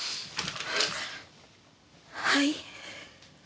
はい。